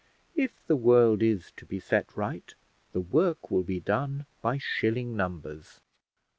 If the world is to be set right, the work will be done by shilling numbers.